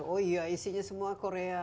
oh iya isinya semua korea